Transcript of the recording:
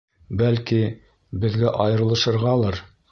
Бәлки, беҙгә айырылышырғалыр?